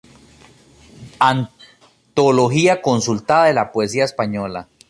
Antología consultada de la poesía española".